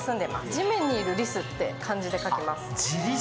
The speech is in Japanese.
地面にすんでるリスって漢字で書きます。